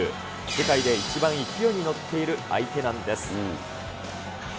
世界で一番勢いに乗っている相手なんです。